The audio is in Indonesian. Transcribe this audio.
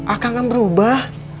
akan gak berubah